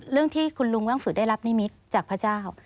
เรื่องที่คุณลุงว่างฝือได้รับนิมิตจากพระเจ้า